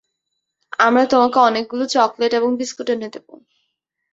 আমরা তোমাকে অনেকগুলো চকলেট এবং বিস্কুট এনে দেব।